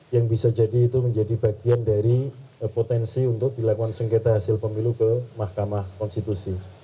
yang bisa jadi itu menjadi bagian dari potensi untuk dilakukan sengketa hasil pemilu ke mahkamah konstitusi